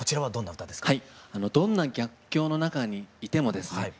はいどんな逆境の中にいてもですね